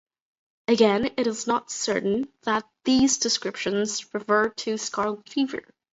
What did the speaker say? Again, it is not certain that these descriptions refer to scarlet fever.